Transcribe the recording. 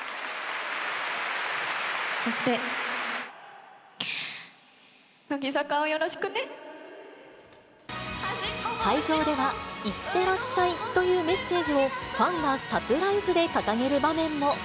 そして、会場では、いってらっしゃいというメッセージを、ファンがサプライズで掲げる場面も。